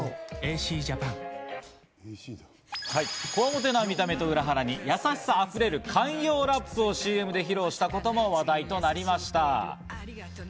こわもてな見た目と裏腹に、優しさを集める寛容ラップをＣＭで披露したことも話題となりました。